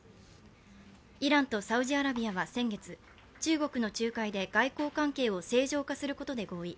イランとサウジアラビアは先月、中国の仲介で外交関係を正常化することで合意。